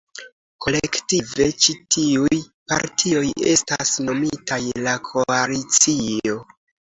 Kolektive, ĉi tiuj partioj estas nomitaj la Koalicio.